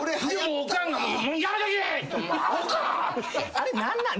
あれ何なん？